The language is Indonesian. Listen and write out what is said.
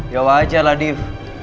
ya wajar lah div